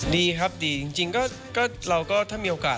ดีครับดีจริงเราก็ถ้ามีโอกาส